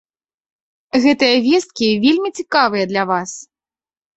Гэтыя весткі вельмі цікавыя для вас!